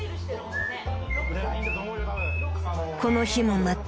［この日もまた］